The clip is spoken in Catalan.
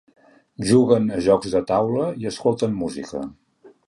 Juguen a jocs de taula i escolten música.